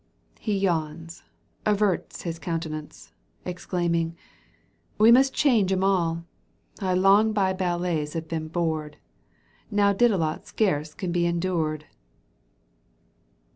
He yawns, averts his countenance. Exclaiming, " We must change 'em all ! I long by ballets have been bored, Now Didelot scarce can be endured